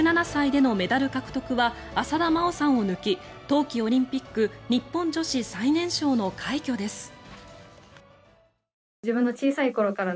１７歳でのメダル獲得は浅田真央さんを抜き冬季オリンピック日本女子最年少の快挙です。